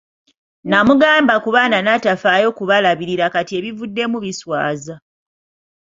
Nnamugamba ku baana n'atafaayo kubalabirira kati ebivuddemu biswaza.